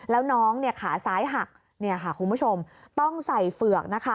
แล้วน้องขาซ้ายหักคุณผู้ชมต้องใส่เฝือกนะคะ